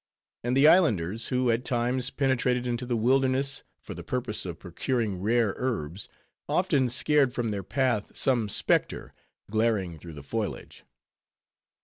And the islanders, who at times penetrated into the wilderness, for the purpose of procuring rare herbs, often scared from their path some specter, glaring through the foliage.